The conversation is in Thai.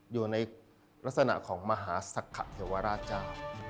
อยู่ในลักษณะของมหาสักขะเทวราชเจ้า